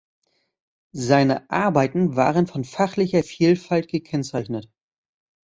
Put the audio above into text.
Seine Arbeiten waren von fachlicher Vielfalt gekennzeichnet.